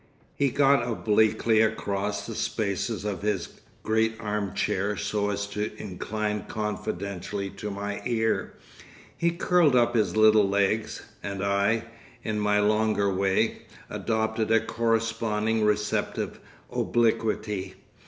He got obliquely across the spaces of his great armchair so as to incline confidentially to my ear, he curled up his little legs, and I, in my longer way, adopted a corresponding receptive obliquity.